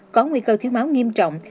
có nguy cơ thiếu máu nghiêm trọng